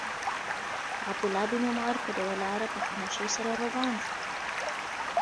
عبدالله بن عمر پر یوه لاره په خاموشۍ سره روان و.